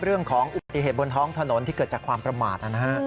เรื่องของอุบัติเหตุบนท้องถนนที่เกิดจากความประมาทนะฮะ